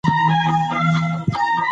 ګاز د افغانستان د طبیعت د ښکلا برخه ده.